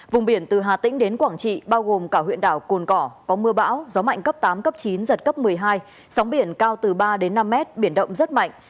vùng biển từ hà tĩnh đến quảng trị bao gồm cả huyện đảo cồn cỏ có mưa bão gió mạnh cấp tám cấp chín giật cấp một mươi hai sóng biển cao từ ba đến năm mét biển động rất mạnh